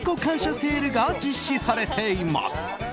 セールが実施されています。